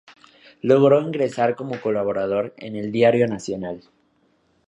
Logró ingresar como colaborador en el Diario Nacional.